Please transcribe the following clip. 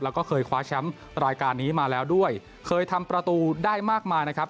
แล้วก็เคยคว้าแชมป์รายการนี้มาแล้วด้วยเคยทำประตูได้มากมายนะครับ